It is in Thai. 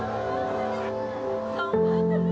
ขอบคุณครับ